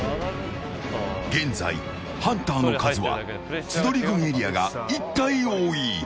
現在、ハンターの数は千鳥軍エリアが１体多い。